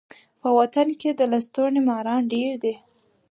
په وطن کي د لستوڼي ماران ډیر دي.